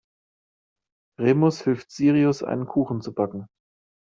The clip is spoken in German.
Remus hilft Sirius, einen Kuchen zu backen.